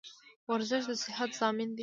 ورزش دصحت ضامن دي.